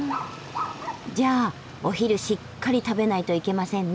じゃあお昼しっかり食べないといけませんね。